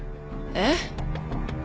えっ？